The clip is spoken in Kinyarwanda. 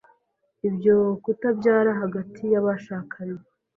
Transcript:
ibyo kutabyara hagati y’abashakanye